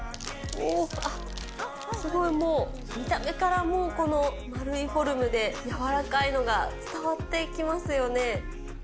おー、すごいもう、見た目からもう、この丸いフォルムで、柔らかいのが伝わってきますよね。